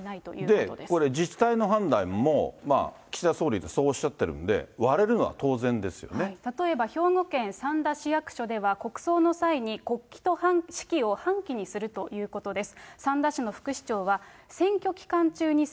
これ、自治体の判断も岸田総理がそうおっしゃっているんで、例えば、兵庫県三田市役所では国葬の際に、国旗と市旗を半旗にするということです。